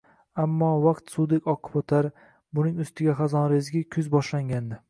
Ammo vaqt suvdek oqib o`tar, buning ustiga hazonrezgi kuz boshlangandi